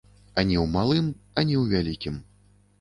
Ані ў малым, ані ў вялікім.